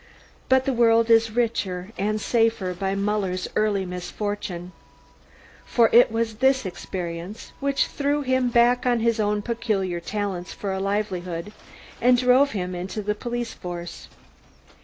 But the world is richer, and safer, by Muller's early misfortune. For it was this experience which threw him back on his own peculiar talents for a livelihood, and drove him into the police force.